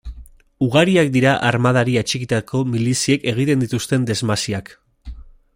Ugariak dira armadari atxikitako miliziek egiten dituzten desmasiak.